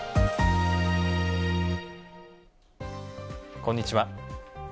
こんにちは。